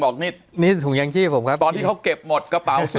บอกนี่นี่ถุงยางจี้ผมครับตอนที่เขาเก็บหมดกระเป๋าซื้อ